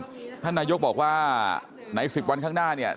ท่านนายกรัฐมนตรีบอกว่าในสิบวันข้างหน้าเนี่ย